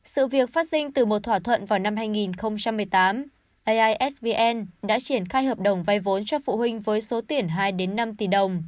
sự việc phát sinh từ một thỏa thuận vào năm hai nghìn một mươi tám aisvn đã triển khai hợp đồng vay vốn cho phụ huynh với số tiền hai năm tỷ đồng